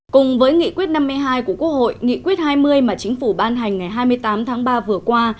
cùng với nghị quyết năm mươi hai của quốc hội nghị quyết hai mươi mà chính phủ ban hành ngày hai mươi tám tháng ba vừa qua